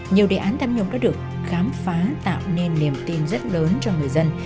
nhiều đề án tham nhũng đã được khám phá tạo nên niềm tin rất lớn cho người dân